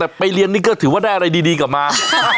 แต่ไปเรียนนี่ก็ถือว่าได้อะไรดีกลับมา